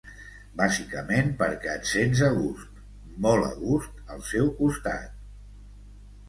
Bàsicament perquè et sents a gust, molt a gust, al seu costat.